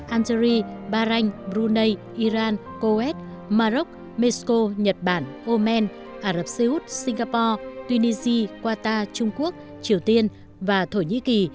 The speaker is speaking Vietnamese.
algeria bahrain brunei iran coes maroc mexico nhật bản omen ả rập xê út singapore tunisia qatar trung quốc triều tiên và thổ nhĩ kỳ